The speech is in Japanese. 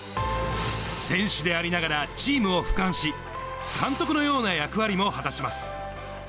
選手でありながらチームをふかんし、監督のような役割も果たします。